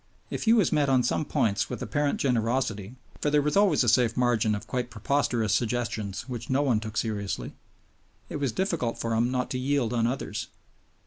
If he was met on some points with apparent generosity (for there was always a safe margin of quite preposterous suggestions which no one took seriously), it was difficult for him not to yield on others.